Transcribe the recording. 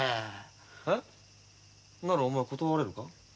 ならお前断れるか？